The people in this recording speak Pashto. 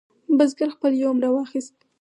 بزګر خپل یوم راواخست.